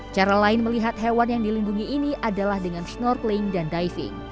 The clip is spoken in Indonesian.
cara lain melihat hewan yang dilindungi ini adalah dengan snorkeling dan diving